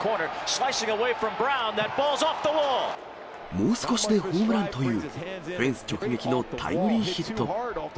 もう少しでホームランというフェンス直撃のタイムリーヒット。